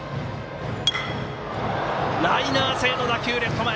ライナー性の打球レフト前。